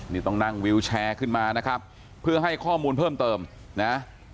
นี่ต้องนั่งวิวแชร์ขึ้นมานะครับเพื่อให้ข้อมูลเพิ่มเติมนะ